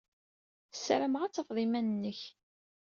Ssarameɣ ad tafeḍ iman-nnek.